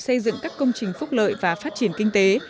xây dựng các công trình phúc lợi và phát triển kinh tế